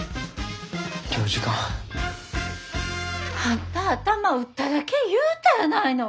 あんた頭打っただけ言うたやないの！